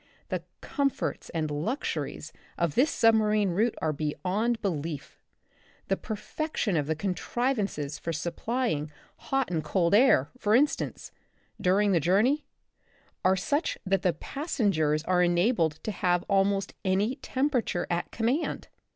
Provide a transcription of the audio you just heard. The comforts and luxuries of this sub marine route are beyond belief. The perfection of the contrivances for supplying hot and cold air, for instance, during the journey, are such that the passengers are enabled to have almost any temperature at com mand.